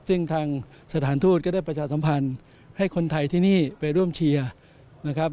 ซึ่งทางสถานทูตก็ได้ประชาสัมพันธ์ให้คนไทยที่นี่ไปร่วมเชียร์นะครับ